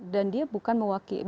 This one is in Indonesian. dan dia bukan mewakilkan